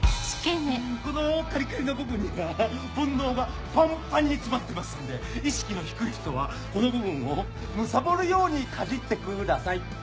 このカリカリの部分には煩悩がパンパンに詰まってますんで意識の低い人はこの部分をむさぼるようにかじってください。